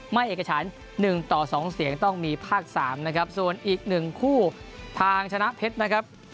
ไม่เอกชันหนึ่งต่อสองเสียงต้องมีพากสามนะครับจริงอีกหนึ่งคู่ทางชะนัดเพล็ดนะครับ